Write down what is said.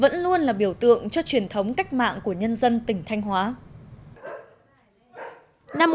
vẫn luôn là biểu tượng cho truyền thống cách mạng của nhân dân tỉnh thanh hóa